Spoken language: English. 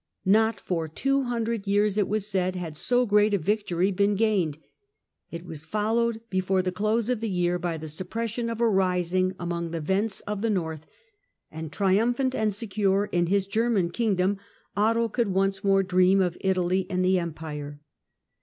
Not for two hundred years, it was said, had so great a victory been gained. It was followed, before the close of the year, by the suppression of a rising among the Wends of the north ; and, triumphant and secure in his German kingdom, Otto could once more ream of Italy and of Empire.